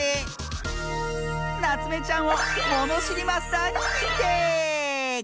なつめちゃんをものしりマスターににんてい！